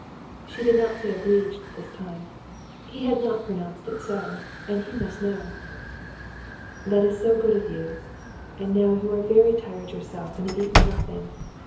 She did not say " obleeged " this time. He had not pronounced it so, and he must know. "That is so good of you. And now you are very tired yourself and have eaten nothing.